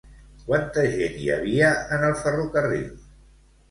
Quanta gent hi havia en el ferrocarril?